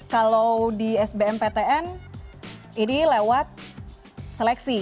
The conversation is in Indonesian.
kalau di sbm ptn ini lewat seleksi